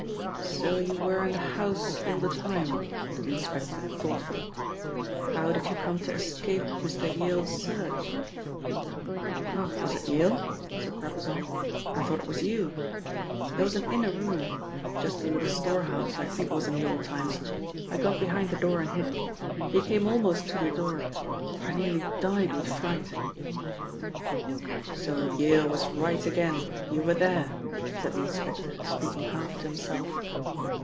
"So you were in the house all the time?" said the inspector thoughtfully. "How did you come to escape Mr. Yale's search?" "Oh, was it Yale?" said Brabazon. "I thought it was you. There was an inner room just a little storehouse, I think it was in the old times I got behind the door and hid. He came almost to the door. I nearly died with fright." "So Yale was right again. You were there!" said the inspector speaking half to himself.